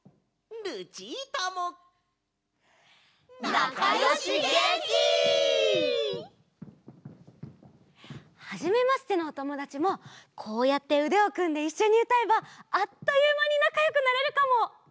なかよしげんき！はじめましてのおともだちもこうやってうでをくんでいっしょにうたえばあっというまになかよくなれるかも！